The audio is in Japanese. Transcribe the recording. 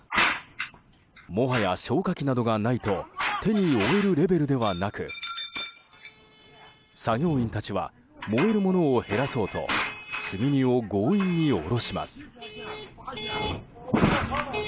もはや消火器などがないと手に負えるレベルではなく作業員たちは燃えるものを減らそうと積み荷を強引に下ろします。